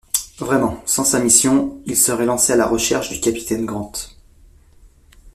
Vraiment, sans sa mission, il se serait lancé à la recherche du capitaine Grant!